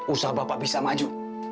usaha bapak bisa maju